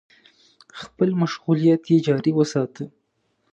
خپل مشغولیت يې جاري وساته.